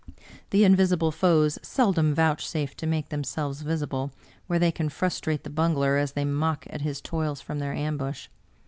The invisible foes seldom vouchsafe to make themselves visible where they can frustrate the bungler as they mock at his toils from their ambush.